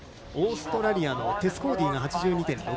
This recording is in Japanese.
オーストラリアのテス・コーディが８２．６８。